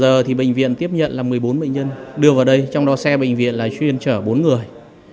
một mươi bảy h thì bệnh viện tiếp nhận là một mươi bốn bệnh nhân đưa vào đây trong đó xe bệnh viện là chuyên chở bốn người